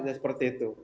ya seperti itu